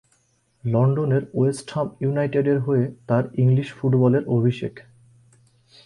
লন্ডনের West Ham ইউনাইটেডের হয়ে তার ইংলিশ ফুটবলের অভিষেক।